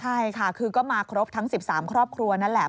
ใช่ค่ะคือก็มาครบทั้ง๑๓ครอบครัวนั่นแหละ